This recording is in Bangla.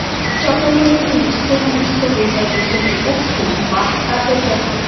চক্রবর্তী ব্যস্তসমস্ত হইয়া কহিলেন, ও কী, মা, কাঁদ কেন?